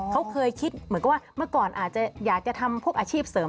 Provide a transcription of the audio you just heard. เขาเคยคิดเหมือนกับว่าเมื่อก่อนอาจจะอยากจะทำพวกอาชีพเสริม